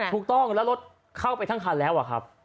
ถูกต้องแล้วรถเข้าไปทั้งทางแล้ว